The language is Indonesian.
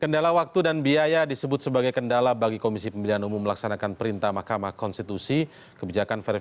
kendala waktu dan biaya disebut sebagai kendala bagi komisi pemilihan umum melaksanakan perintah makamah konstitusional